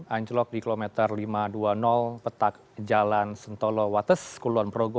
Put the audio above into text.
anjlok di kilometer lima ratus dua puluh petak jalan sentolo wates kulon progo